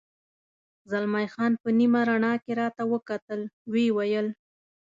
زلمی خان په نیمه رڼا کې راته وکتل، ویې ویل.